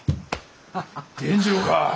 伝次郎か！